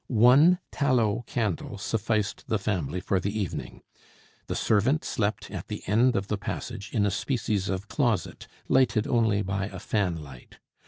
One tallow candle sufficed the family for the evening. The servant slept at the end of the passage in a species of closet lighted only by a fan light.